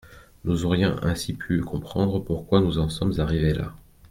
Nous aurions ainsi pu comprendre pourquoi nous en sommes arrivés là.